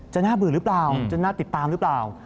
หน้าเบื่อหรือเปล่าจะน่าติดตามหรือเปล่า